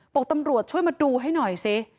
บอกตำรวจช่วยมาดูให้หน่อยสิ